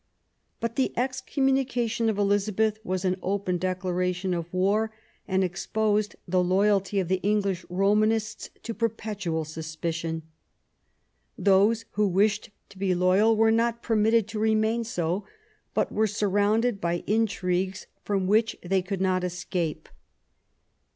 But the excommunica tion of Elizabeth was an open declaration of war, and exposed the loyalty of the English Romanists to perpetual suspicion. Those who wished to be loyal were not permitted to remain so, but were surroimded THE ALENQON MARRIAGE, 195 by intrigues from which they could not escape.